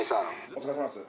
お疲れさまです。